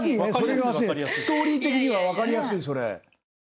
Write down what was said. ストーリー的にはわかりやすいそれ。